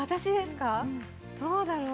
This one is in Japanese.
どうだろう？